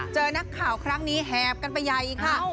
เจอนักข่าวครั้งนี้แหบกันไปใหญ่ค่ะ